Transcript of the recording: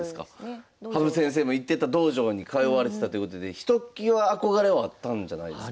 羽生先生も行ってた道場に通われてたということでひときわ憧れはあったんじゃないですか？